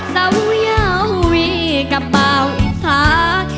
เต้ายาวอีกกระเป๋าอีกทาง